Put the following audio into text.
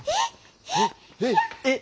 えっえっ？